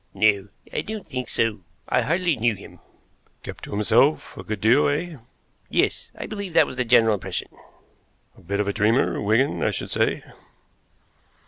"No, I don't think so. I hardly knew him." "Kept himself to himself a good deal, eh?" "Yes; I believe that was the general impression." "A bit of a dreamer, Wigan, I should say."